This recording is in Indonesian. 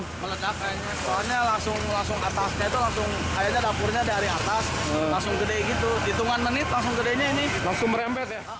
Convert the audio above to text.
hitungan menit langsung gedenya ini langsung merempet ya